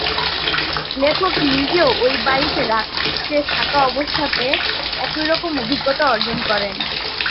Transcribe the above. লেখক নিজেও ঐ বাড়িতে রাতে থাকা অবস্থাতে একইরকম অভিজ্ঞতা অর্জন করেন।